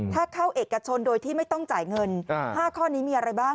ถ้าเข้าเอกชนโดยที่ไม่ต้องจ่ายเงิน๕ข้อนี้มีอะไรบ้าง